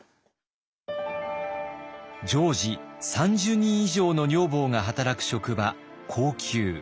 常時３０人以上の女房が働く職場後宮。